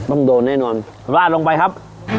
ต้องโดนแน่นอนราดลงไปครับ